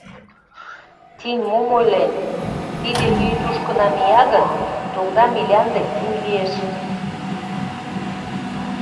— Тинь мом ойлен, тиде ӱй тушко намия гын, тогда милянде тинь лиеш.